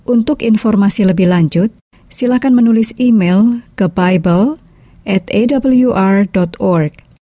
untuk informasi lebih lanjut silakan menulis email ke buible atawr org